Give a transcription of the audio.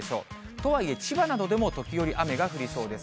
とはいえ、千葉などでも時折雨が降りそうです。